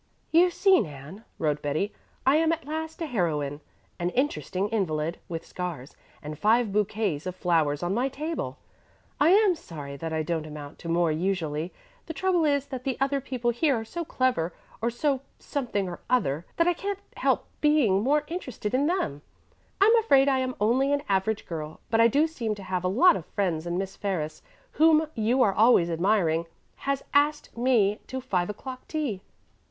"You see, Nan," wrote Betty, "I am at last a heroine, an interesting invalid, with scars, and five bouquets of flowers on my table. I am sorry that I don't amount to more usually. The trouble is that the other people here are so clever or so something or other that I can't help being more interested in them. I'm afraid I am only an average girl, but I do seem to have a lot of friends and Miss Ferris, whom you are always admiring, has asked me to five o'clock tea.